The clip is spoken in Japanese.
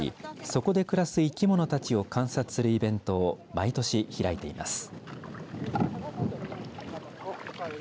そこで暮らす生き物たちを観察するイベントを毎年、開いています。